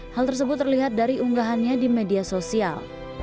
hal tersebut terlihat dari unggahannya di media sosial